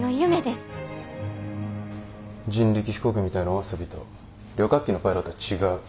人力飛行機みたいなお遊びと旅客機のパイロットは違う。